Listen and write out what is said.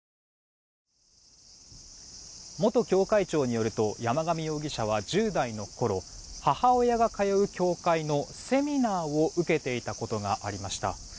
元教会長によると山上容疑者は１０代のころ母親が通う教会のセミナーを受けていたことがありました。